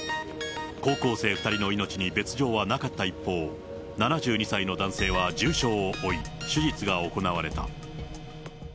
高校生２人の命に別状はなかった一方、７２歳の男性は重傷を負い、手術が行われた。